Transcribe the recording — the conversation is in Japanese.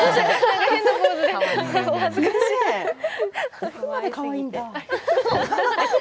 どこまで、かわいいんだ。